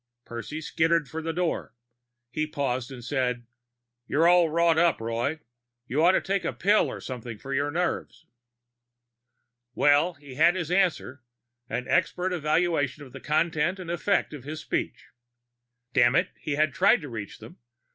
_" Percy skittered for the door. He paused and said, "You're all wrought up, Roy. You ought to take a pill or something for your nerves." Well, he had his answer. An expert evaluation of the content and effect of his speech. Dammit, he had tried to reach them.